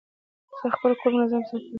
زه خپل کور منظم ساتم.